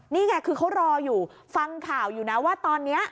นี่ไงคือเขารออยู่ฟังข่าวอยู่นะว่าตอนนี้